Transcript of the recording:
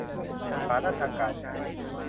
ฐานะทางการเงิน